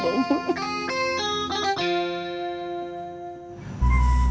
cuk cuk cuk